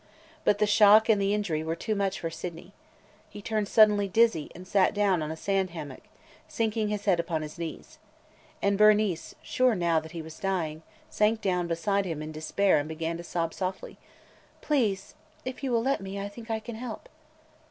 But the shock and the injury were too much for Sydney. He turned suddenly dizzy and sat down on a sand hummock, sinking his head upon his knees. And Bernice, sure now that he was dying, sank down beside him in despair and began to sob softly. "Please! – if you will let me – I think I can help!"